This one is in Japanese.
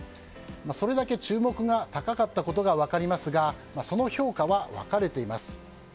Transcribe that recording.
それだけ注目が高かったことが分かりますがその評価は分かれています。